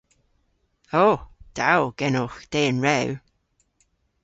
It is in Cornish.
O! Da o genowgh dehen rew.